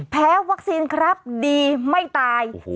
แพ้วัคซีนครับดีไม่ตาย